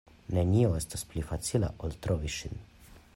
Nenio estas pli facila, ol trovi ŝin.